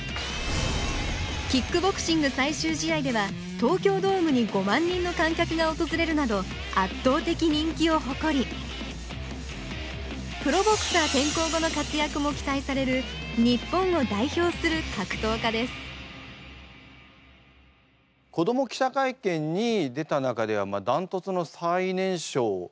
キックボクシング最終試合では東京ドームに５万人の観客がおとずれるなど圧倒的人気をほこりプロボクサー転向後の活躍も期待される「子ども記者会見」に出た中ではだんトツの最年少ということなんだよね。